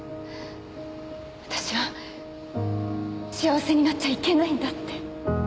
私は幸せになっちゃいけないんだって。